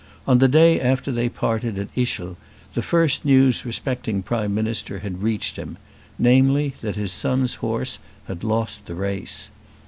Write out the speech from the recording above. On the day after they parted at Ischl the first news respecting Prime Minister had reached him, namely, that his son's horse had lost the race.